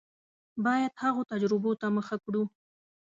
باید هغو تجربو ته مخه کړو.